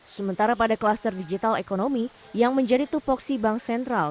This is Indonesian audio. sementara pada kluster digital ekonomi yang menjadi tupoksi bank sentral